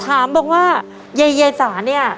ถามบอกว่าเยยสานี่อ่ะ